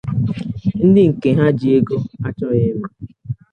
ndị nke ha ji ego achọghị ịma